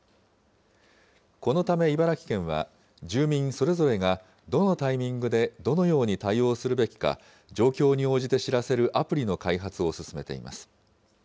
このため茨城県は、住民それぞれがどのタイミングでどのように対応するべきか、状況に応じて知らせるアプリの開発を進めています。